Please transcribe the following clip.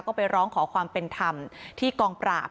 ก็ไปร้องขอความเป็นธรรมที่กองปราบ